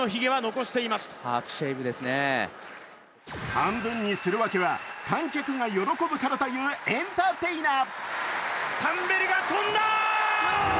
半分にする訳は観客が喜ぶからというエンターテイナー。